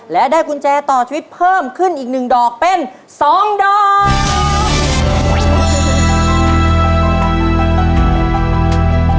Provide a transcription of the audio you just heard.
และได้กุญแจต่อชีวิตเพิ่มขึ้นอีก๑ดอกเป็น๒ดอก